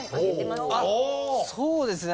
そうですね。